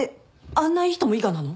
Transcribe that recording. あんないい人も伊賀なの？